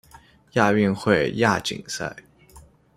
亚运会亚锦赛